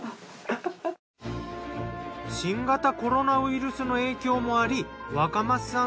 新型コロナウイルスの影響もあり若松さん